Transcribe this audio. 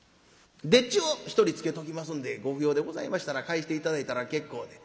「丁稚を１人つけときますんでご不要でございましたら帰して頂いたら結構で。